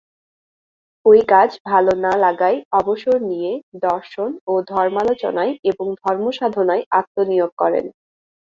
ওই কাজ ভালো না লাগায় অবসর নিয়ে দর্শন ও ধর্মালোচনায় এবং ধর্মসাধনায় আত্মনিয়োগ করেন।